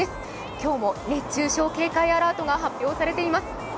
今日も熱中症警戒アラートが発表されています。